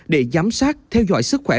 để giám sát theo dõi sức khỏe